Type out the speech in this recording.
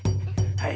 はい。